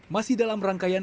masih dalam rangkaian kegiatan